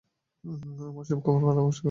আমার সব খবর ভাল, আশা করি আপনার সব কুশল।